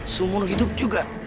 semur hidup juga